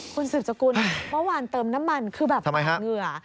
คุณสืบจักรุณวันเติมน้ำมันคือแบบเหงื่อ